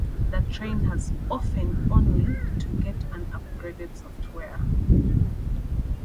The train has often only to get an upgraded software.